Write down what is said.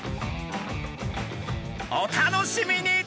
お楽しみに！